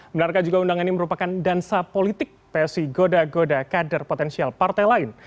benarkah juga undangan ini merupakan dansa politik psi goda goda kader potensial partai lain